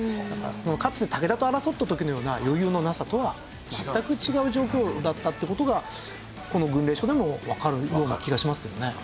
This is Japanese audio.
かつて武田と争った時のような余裕のなさとは全く違う状況だったって事がこの軍令書でもわかるような気がしますけどね。